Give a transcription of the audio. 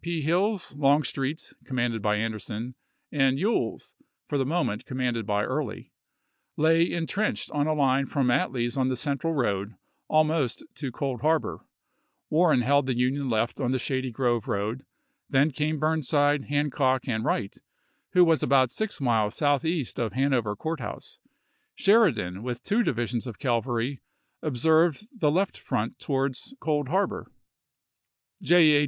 P. Hill's, Longstreet's, (commanded by Anderson), and E well's (for the moment commanded by Early), lay intrenched on a line from Atlee's on the Central road, almost to Cold Harbor ; Warren held the Union left on the Shady Grove road, then came Burnside, Hancock, and Wright, who was about six miles southeast of Hanover Court House. Sheridan, with two divi sions of cavahy, observed the left front towards Cold Harbor ; J. H.